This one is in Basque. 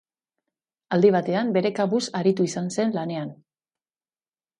Aldi batean, bere kabuz aritu izan zen lanean.